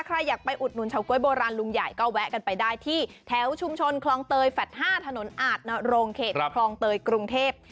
ใครอยากไปอุดหนุนเฉาก๊วยโบราณลุงใหญ่ก็แวะกันไปได้ที่แถวชุมชนคลองเตยแฟลต์๕ถนนอาจนรงเขตคลองเตยกรุงเทพ